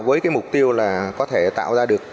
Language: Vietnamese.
với cái mục tiêu là có thể tạo ra được